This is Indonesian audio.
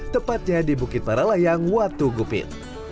tepatnya di bukit paralayang watu gupit